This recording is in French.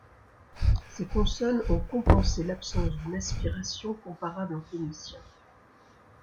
Ces consonnes ont compensé l'absence d'une aspiration comparable en phénicien.